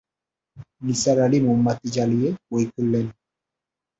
নিসার আলি মোমবাতি জ্বালিয়ে বই খুললেন।